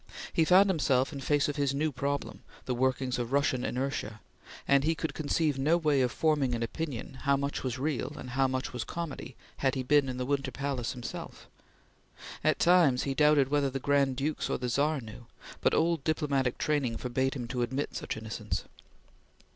He found himself in face of his new problem the workings of Russian inertia and he could conceive no way of forming an opinion how much was real and how much was comedy had he been in the Winter Palace himself. At times he doubted whether the Grand Dukes or the Czar knew, but old diplomatic training forbade him to admit such innocence.